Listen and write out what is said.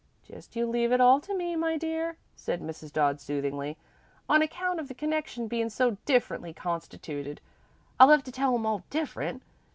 "Just you leave it all to me, my dear," said Mrs. Dodd, soothingly. "On account of the connection bein' so differently constituted, I'll have to tell 'em all different.